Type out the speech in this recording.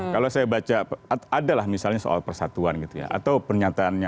kalau saya baca adalah misalnya soal persatuan gitu ya atau pernyataannya